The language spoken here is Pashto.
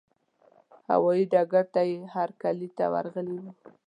هوايي ډګر ته یې هرکلي ته ورغلي وو.